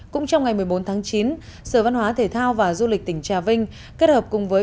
cũng trong ngày một mươi bốn tháng chín sở văn hóa thể thao và du lịch tỉnh trà vinh kết hợp cùng với